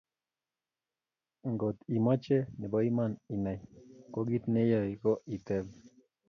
ngot imoche nebo iman inai, ko kiit neiyoe ko iteeb